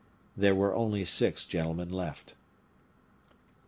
There were only six gentlemen left.